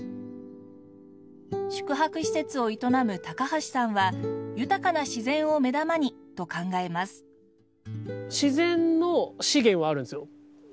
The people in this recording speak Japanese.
宿泊施設を営む橋さんは豊かな自然を目玉に！と考えます。